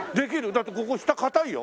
だってここ下硬いよ。